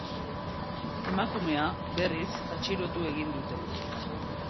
Emakumea, berriz, atxilotu egin dute.